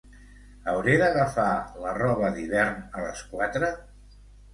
Hauré d'agafar la roba d'hivern a les quatre?